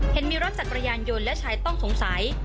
เห็นมีรถจักรยานยนต์และชายต้องสงสัย